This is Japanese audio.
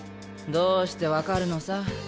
どうして分かるのさ？